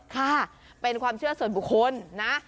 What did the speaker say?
ค่ะเป็นความเชื่อส่วนบุคคลนะ